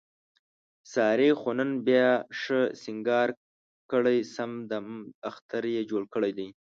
سارې خو نن بیا ښه سینګار کړی، سم دمم اختر یې جوړ کړی دی.